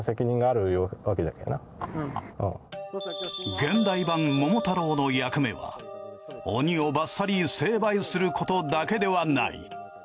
現代版桃太郎の役目は鬼をバッサリ成敗することだけではない。